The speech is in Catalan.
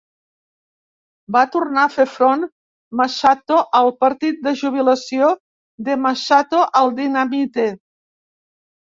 Va tornar a fer front Masato al partit de jubilació de Masato al Dynamite!